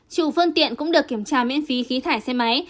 chủ phương tiện cũng được kiểm tra miễn phí khí thải xe máy